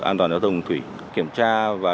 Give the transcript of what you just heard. an toàn giao thông thủy kiểm tra và